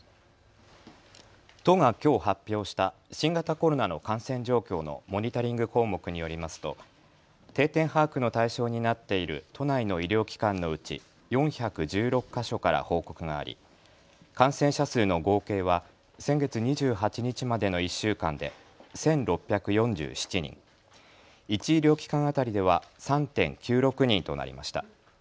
都がきょう発表した新型コロナの感染状況のモニタリング項目によりますと定点把握の対象になっている都内の医療機関のうち４１６か所から報告があり感染者数の合計は先月２８日までの１週間で１６４７人、１医療機関当たりでは３．９６人となりました。